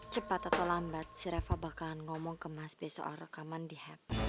cepat atau lambat si reva bakalan ngomong ke mas besok al rekaman di head